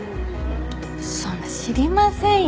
そんな知りませんよ